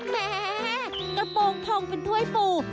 แหมกระโปรงพองเป็นถ้วยปู